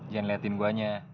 jangan liatin gua nya